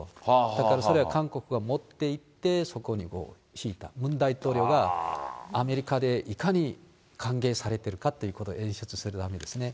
だから、それは韓国が持っていって、そこに敷いた、ムン大統領がアメリカでいかに歓迎されてるかっていうことを演出するわけですね。